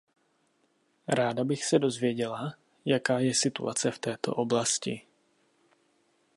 Ráda bych se dozvěděla, jaká je situace v této oblasti.